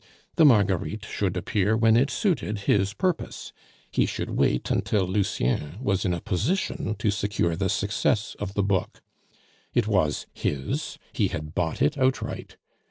The Marguerites should appear when it suited his purpose; he should wait until Lucien was in a position to secure the success of the book; it was his, he had bought it outright.